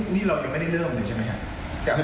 นี่เรายังไม่ได้เริ่มเลยใช่ไหมครับ